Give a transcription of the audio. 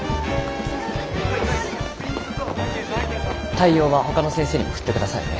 対応はほかの先生にも振って下さいね。